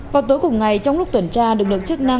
vào tối cùng ngày trong lúc tuần tra